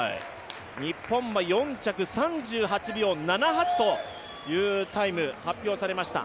日本は４着３８秒７８というタイム、発表されました。